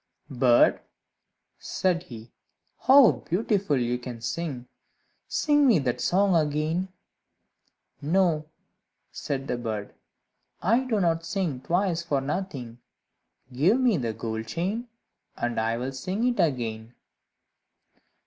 "Bird," said he, "how beautiful you can sing! Sing me that song again." "No," said the bird, "I do not sing twice for nothing. Give me that gold chain, and I will sing it again."